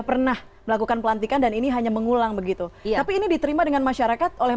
pernah melakukan pelantikan dan ini hanya mengulang begitu tapi ini diterima dengan masyarakat oleh